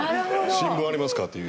「新聞ありますか？」という。